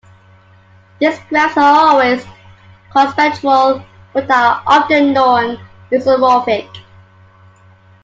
These graphs are always cospectral but are often non-isomorphic.